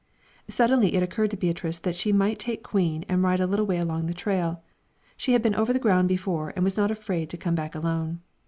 Suddenly it occurred to Beatrice that she might take Queen and ride a little way along the trail. She had been over the ground before and was not afraid to come back alone.